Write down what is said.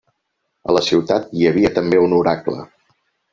A la ciutat hi havia també un oracle.